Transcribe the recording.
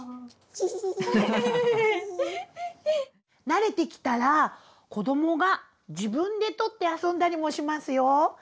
慣れてきたら子どもが自分でとって遊んだりもしますよ！